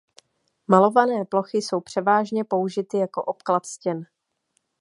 Malované plochy jsou převážně použity jako obklad stěn.